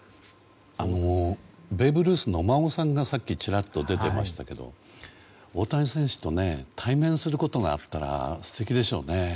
ベーブ・ルースのお孫さんがさっきちらっと出ていましたけど大谷選手と対面することがあったら素敵でしょうね。